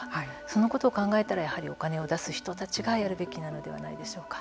そのことを考えたらやはりお金を出す人たちがやるべきなのではないでしょうか。